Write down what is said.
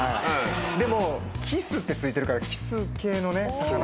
でもキスって付いてるからキス系のね魚。